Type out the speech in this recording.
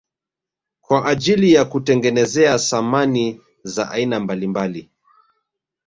Kwa ajili ya kutengenezea samani za aina mbalimbali